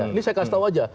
ini saya kasih tau aja